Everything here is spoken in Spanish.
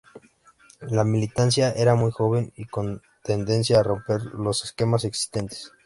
La militancia era muy joven y con tendencia a romper los esquemas existentes.